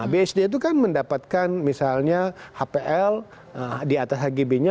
bsd itu kan mendapatkan misalnya hpl di atas hgb nya